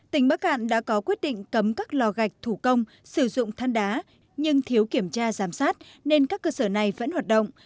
tỉnh bắc cạn đã có quyết định cấm các lò gạch thủ công sử dụng than đá nhưng thiếu kiểm tra giám sát nên các cơ sở này vẫn hoạt động